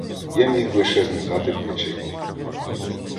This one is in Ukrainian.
Я міг лише знизати плечима: